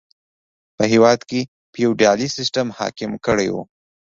په هېواد کې فیوډالي سیستم حاکم کړی و.